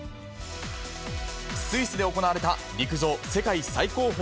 スイスで行われた陸上世界最高峰